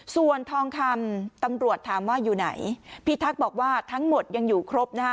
ส่วนทองคำตำรวจถามว่าอยู่ไหนพี่ทักษ์บอกว่าทั้งหมดยังอยู่ครบนะฮะ